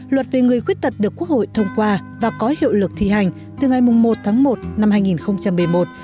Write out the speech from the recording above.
luật về người khuyết tật được quốc hội thông qua và có hiệu lực thi hành từ ngày một tháng một năm hai nghìn một mươi một